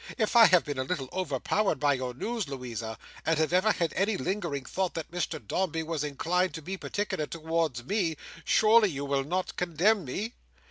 If I have been a little overpowered by your news, Louisa, and have ever had any lingering thought that Mr Dombey was inclined to be particular towards me, surely you will not condemn me."